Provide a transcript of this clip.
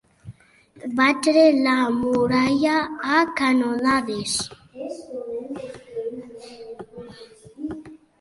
Batre la muralla a canonades.